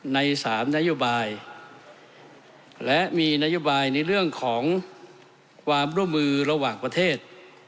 ใน๓นโยบายและมีนโยบายในเรื่องของความร่วมมือระหว่างประเทศ